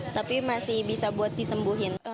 tapi masih bisa buat disembuhin